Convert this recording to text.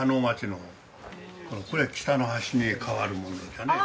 これは北の橋に代わるものじゃね。